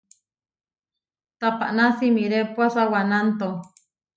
Tapaná simirépua sawanánto?